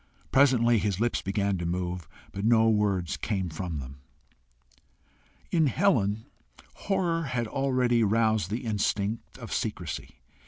Presently his lips began to move, but no words came from them. In Helen, horror had already roused the instinct of secrecy.